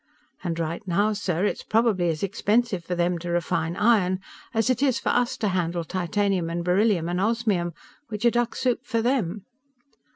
And right now, sir it's probably as expensive for them to refine iron as it is for us to handle titanium and beryllium and osmium which are duck soup for them!